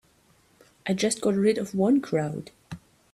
I just got rid of one crowd.